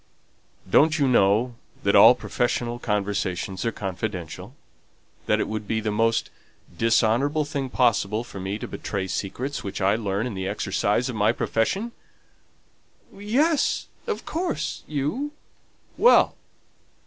"Don't you know that all professional conversations are confidential? That it would be the most dishonourable thing possible for me to betray secrets which I learn in the exercise of my profession?" "Yes, of course, you." "Well!